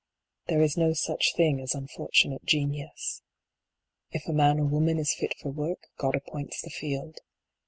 There is no such thing as unfortunate genius. If a man or woman is fit for work, God appoints the field.